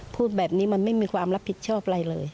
พูดแบบนี้มันไม่มีความรับผิดชอบอะไรเลย